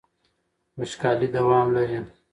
وچکالي دوام لري.